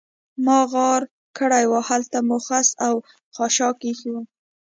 مو غار کړې وای، هلته مو خس او خاشاک اېښي وای.